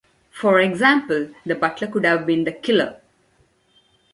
For example, The butler could have been the killer.